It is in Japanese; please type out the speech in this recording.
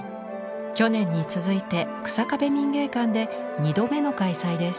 去年に続いて日下部民藝館で２度目の開催です。